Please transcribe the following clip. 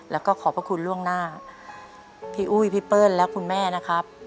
แล้วก็ขอบพระคุณล่วงหน้าพี่อุ้ยพี่เปิ้ลและคุณแม่นะครับ